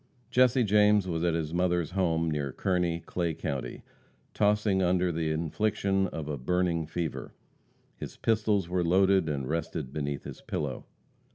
Jesse James was at his mother's home near Kearney, Clay county, tossing under the infliction of a burning fever. His pistols were loaded and rested beneath his pillow.